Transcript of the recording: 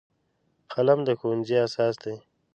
قلم د ښوونځي اساس دی